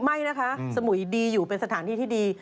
ไม่นะคะสมุยดีอยู่เป็นสถานที่ที่ดี